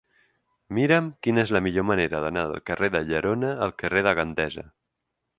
Mira'm quina és la millor manera d'anar del carrer de Llerona al carrer de Gandesa.